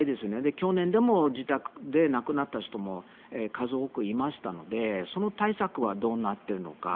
去年も自宅で亡くなった人も数多くいましたのでその対策はどうなってるのか。